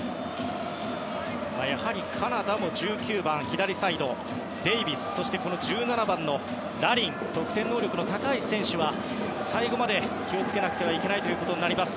カナダも１９番、左サイドのデイビスそして１７番のラリンと得点能力の高い選手は最後まで気を付けなくてはいけないとなります。